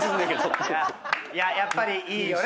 やっぱりいいよね。